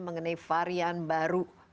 mengenai varian baru